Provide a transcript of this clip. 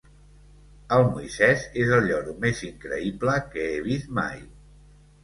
El Moisès és el lloro més increïble que he vist mai.